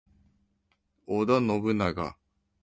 Oda Nobunaga